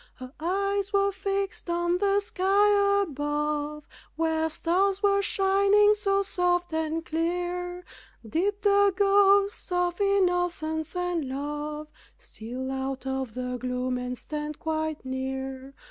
Her eyes were fixed on the sky above, Where stars were shining so soft and clear; Did the ghosts of innocence and love Steal out of the gloom and stand quite near?